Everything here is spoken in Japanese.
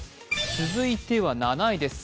続いては７位です。